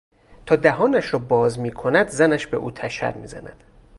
تا دهانش را باز میکند زنش به او تشر میزند.